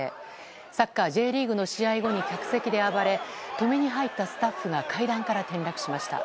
サッカー、Ｊリーグの試合後に客席で暴れ、止めに入ったスタッフが階段から転落しました。